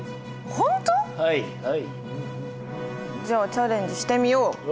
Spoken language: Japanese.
じゃあチャレンジしてみよう。